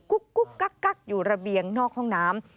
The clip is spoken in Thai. กุ๊กกักอยู่ระเบียงนอกห้องน้ำ